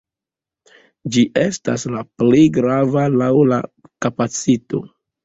Ĝi estas la plej grava laŭ la kapacito.